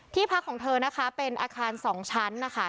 พักของเธอนะคะเป็นอาคาร๒ชั้นนะคะ